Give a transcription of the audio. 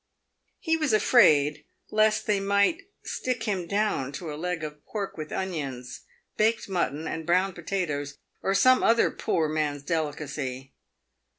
He was afraid lest they might " stick him down" to a leg of pork with onions, baked mutton and brown potatoes, or some other poor man's delicacy.